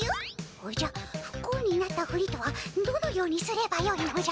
おじゃふ幸になったフリとはどのようにすればよいのじゃ？